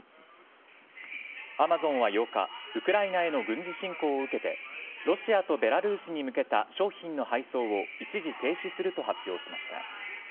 アマゾンは８日ウクライナへの軍事侵攻を受けてロシアとベラルーシに向けた商品の配送を一時停止すると発表しました。